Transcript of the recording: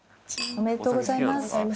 ありがとうございます。